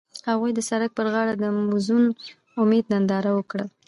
هغوی د سړک پر غاړه د موزون امید ننداره وکړه.